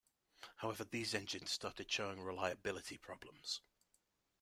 However, these engines started showing reliability problems.